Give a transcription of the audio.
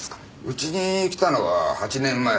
うちに来たのは８年前。